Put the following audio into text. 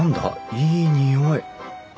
いい匂い。